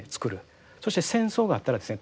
そして戦争があったらですね